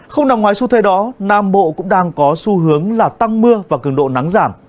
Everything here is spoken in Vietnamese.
không nằm ngoài xu thế đó nam bộ cũng đang có xu hướng là tăng mưa và cường độ nắng giảm